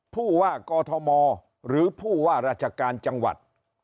พู่ว่ากฐมมหรือพู่ว่ารัชการจังหวัด